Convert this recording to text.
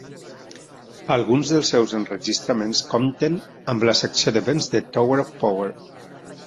Alguns dels seus enregistraments compten amb la secció de vents de Tower of Power.